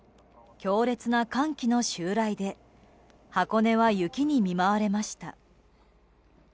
強烈な寒気の襲来で箱根は雪に見舞われました。